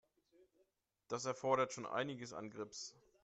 Das erfordert schon einiges an Grips.